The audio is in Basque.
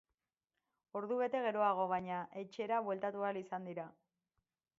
Ordubete geroago, baina, etxera bueltatu ahal izan dira.